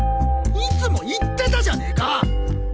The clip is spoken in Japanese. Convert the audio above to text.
いつも言ってたじゃねか！